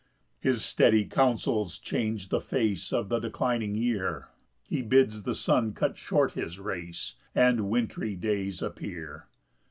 4 His steady counsels change the face Of the declining year; He bids the sun cut short his race, And wintry days appear.